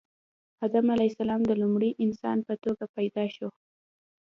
آدم علیه السلام د لومړي انسان په توګه پیدا شو